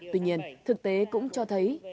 tuy nhiên thực tế cũng cho thấy